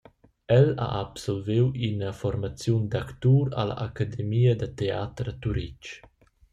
El ha absolviu ina formaziun d’actur alla Academia da teater a Turitg.